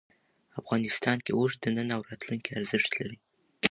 افغانستان کې اوښ د نن او راتلونکي ارزښت لري.